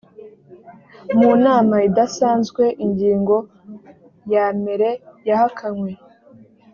mu nama idasanzwe ingingo yamere yahakanywe.